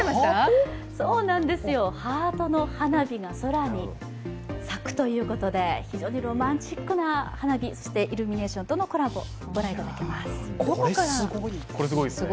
ハートの花火が空に咲くということで、非常にロマンチックな花火、そしてイルミネーションとのコラボ、御覧いただきます。